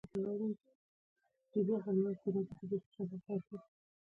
په دې لارو د پلو کسانو تگ او راتگ خطر نه لري.